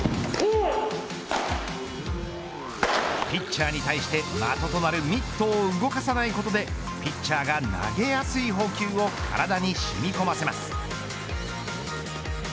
ピッチャーに対して、的となるミットを動かさないことでピッチャーが投げやすい捕球を体に染み込ませます。